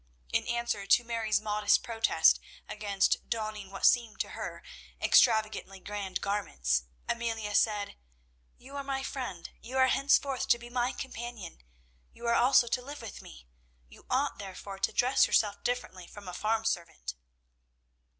In answer to Mary's modest protest against donning what seemed to her, extravagantly grand garments, Amelia said, "You are my friend; you are henceforth to be my companion; you are also to live with me. You ought therefore to dress yourself differently from a farm servant."